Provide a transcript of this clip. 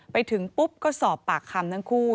ไปถึงปุ๊บก็สอบปากคำทั้งคู่